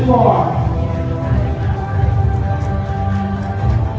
สโลแมคริปราบาล